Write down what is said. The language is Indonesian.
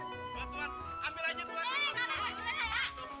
buat buat ambil aja buat buat